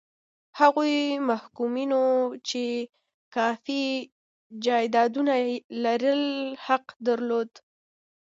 هغو محکومینو چې کافي جایدادونه لرل حق درلود.